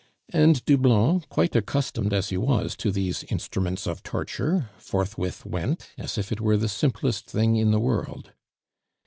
And Doublon, quite accustomed as he was to these instruments of torture, forthwith went, as if it were the simplest thing in the world.